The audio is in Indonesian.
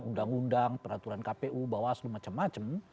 undang undang peraturan kpu bawaslu macam macam